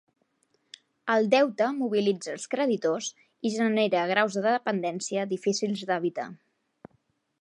El deute mobilitza els creditors i genera graus de dependència difícils d'evitar.